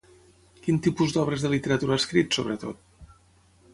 Quin tipus d'obres de literatura ha escrit, sobretot?